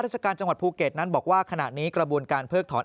ราชการจังหวัดภูเก็ตนั้นบอกว่าขณะนี้กระบวนการเพิกถอน